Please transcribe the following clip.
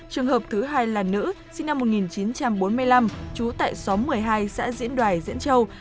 trường hợp thứ hai là nữ sinh năm một nghìn chín trăm bốn mươi năm trú tại xóm một mươi hai xã diễn đoài diễn châu